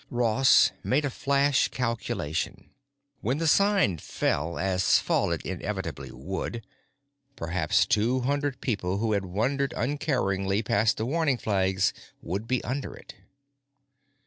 Ross made a flash calculation: when the sign fell, as fall it inevitably would, perhaps two hundred people who had wandered uncaringly past the warning flags would be under it.